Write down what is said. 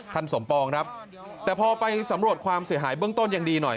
สมปองครับแต่พอไปสำรวจความเสียหายเบื้องต้นยังดีหน่อย